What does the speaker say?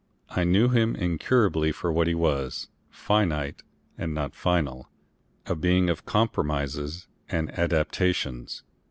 I knew him incurably for what he was, finite and not final, a being of compromises and adaptations.